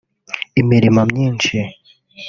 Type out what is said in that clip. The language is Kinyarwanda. imirimo myinshi